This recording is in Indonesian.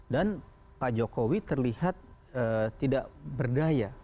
dan pak jokowi terlihat tidak berdaya